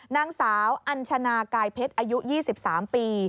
นางสาวอัญชนากายเพชรอายุ๒๓ปี